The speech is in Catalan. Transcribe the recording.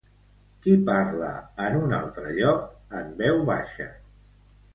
Qui parla en un altre lloc en veu baixa?